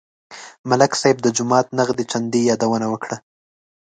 ملک صاحب د جومات نغدې چندې یادونه وکړه.